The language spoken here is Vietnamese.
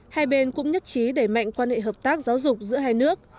hai bên cũng nhất trí đẩy mạnh quan hệ hợp tác giáo dục giữa hai nước